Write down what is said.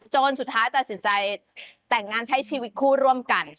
สุดท้ายตัดสินใจแต่งงานใช้ชีวิตคู่ร่วมกัน